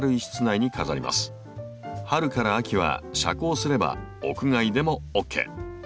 春から秋は遮光すれば屋外でもＯＫ。